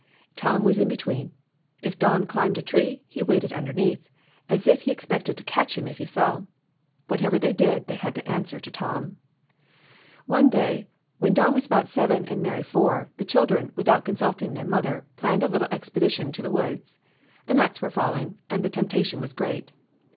Tom was in between. If Don climbed a tree, he waited underneath, as if he expected to catch him if he fell. Whatever they did, they had to answer to Tom. One day, when Don was about seven and Mary four, the children, without consulting their mother, planned a little expedition to the woods. The nuts were falling, and the temp tation was great.